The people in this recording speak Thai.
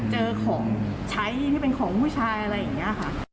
เจอของใช้ที่เป็นของผู้ชายอะไรอย่างนี้ค่ะ